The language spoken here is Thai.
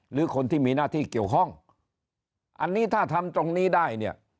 หรือคนที่มีหน้าที่เกี่ยวข้องอันนี้ถ้าทำตรงนี้ได้เนี่ย